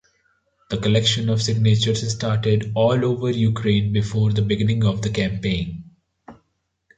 The collection of signatures started all over Ukraine before the beginning of the campaign.